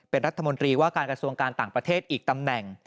เป็นรัฐมนตรีว่าการกระทรวงการต่างประเทศอีกตำแหน่ง